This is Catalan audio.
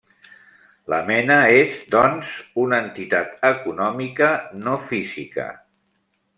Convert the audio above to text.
La mena és, doncs, una entitat econòmica, no física.